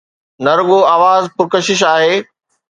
نه رڳو آواز پرڪشش آهي.